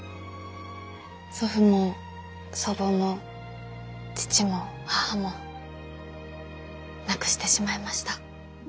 祖父も祖母も父も母も亡くしてしまいました。